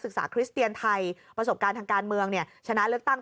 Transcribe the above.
คริสเตียนไทยประสบการณ์ทางการเมืองชนะเลือกตั้ง